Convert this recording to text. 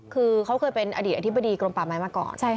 คือเขาเคยเป็นอดีตอธิบดีกรมป่าไม้มาก่อน